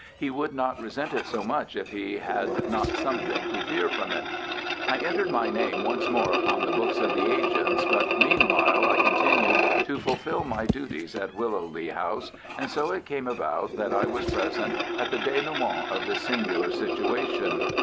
He would not resent it so much if he had not something to fear from it. I entered my name once more upon the books of the agents, but meanwhile I continued to fulfil my duties at Willow Lea House, and so it came about that I was present at the dénouement of this singular situation.